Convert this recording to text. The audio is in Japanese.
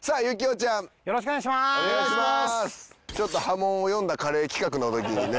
ちょっと波紋を呼んだカレー企画の時にね。